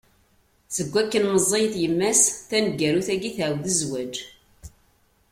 Seg wakken meẓẓiyet yemma-s, taneggarut-agi tɛawed zzwaǧ.